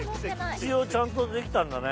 一応ちゃんとできたんだね。